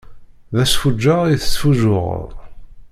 D asfuǧǧeɣ i tesfuǧǧuɣeḍ.